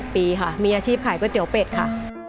ปีค่ะมีอาชีพขายก๋วยเตี๋ยวเป็ดค่ะ